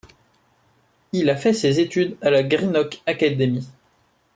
Il a fait ses études à la Greenock Academy.